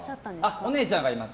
お姉ちゃんがいます。